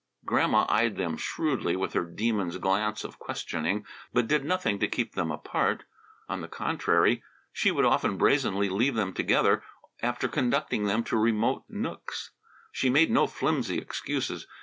Grandma eyed them shrewdly with her Demon's glance of questioning, but did nothing to keep them apart. On the contrary, she would often brazenly leave them together after conducting them to remote nooks. She made no flimsy excuses.